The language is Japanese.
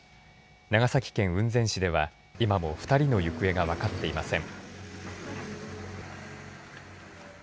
長崎県雲仙市では今も２人の行方が分かっていません。